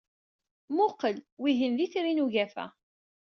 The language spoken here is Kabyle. Mmuqqel, wihin d Itri n Ugafa.